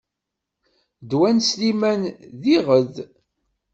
Ddwa n Sliman d iɣed.